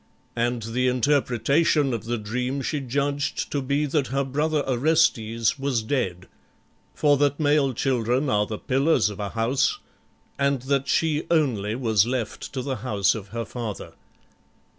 And the interpretation of the dream she judged to be that her brother Orestes was dead, for that male children are the pillars of a house, and that she only was left to the house of her father.